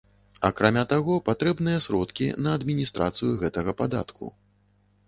Акрамя таго, патрэбныя сродкі на адміністрацыю гэтага падатку.